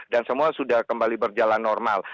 dan semua sudah kembali berjalan normal